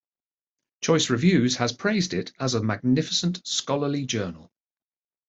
Choice reviews has praised it as "a magnificent scholarly journal".